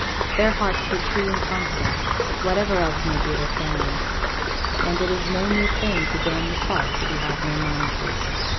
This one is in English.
Their hearts were true and constant, whatever else might be their failings; and it is no new thing to 'damn the faults we have no mind to.'